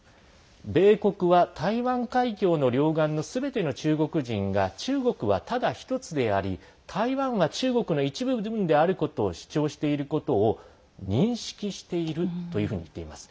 米国は台湾海峡の両岸のすべての中国人が中国は、ただひとつであり台湾は中国の一部分であることを主張していることを認識しているというふうにいっています。